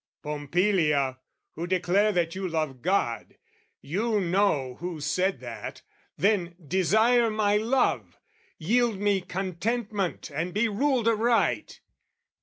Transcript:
"Pompilia, who declare that you love God, "You know who said that: then, desire my love, "Yield me contentment and be ruled aright!"